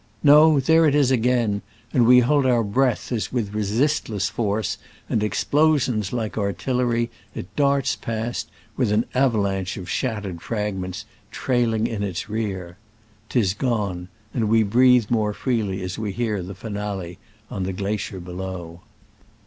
No : there it is again, and we hold our breath as, with resistless force and explosions like artillery, it darts past, with an ava lanche of shattered fragments trailing in its rear. 'Tis gone, and we breathe more freely as we hear the finale on the glacier below.